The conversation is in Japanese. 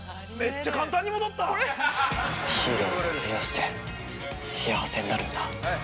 ◆ヒーローを卒業して幸せになるんだ。